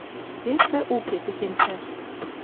Весӹ уке техень цӓш.